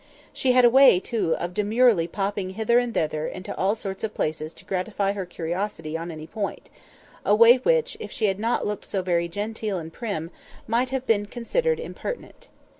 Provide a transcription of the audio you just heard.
She had a way, too, of demurely popping hither and thither into all sorts of places to gratify her curiosity on any point—a way which, if she had not looked so very genteel and prim, might have been considered impertinent.